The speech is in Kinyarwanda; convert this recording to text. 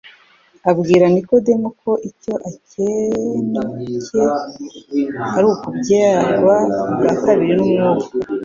Abwira Nikodemu ko icyo akencye ari ukubyarwa ubwa kabiri n'umwuka,